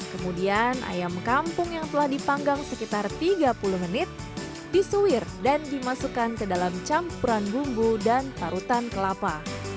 kemudian ayam kampung yang telah dipanggang sekitar tiga puluh menit disuir dan dimasukkan ke dalam campuran bumbu dan parutan kelapa